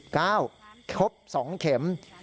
ครบ๒เข็ม